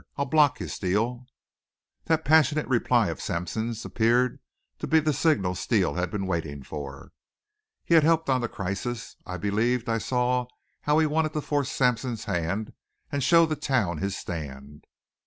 I'll block you, Steele." That passionate reply of Sampson's appeared to be the signal Steele had been waiting for. He had helped on the crisis. I believed I saw how he wanted to force Sampson's hand and show the town his stand.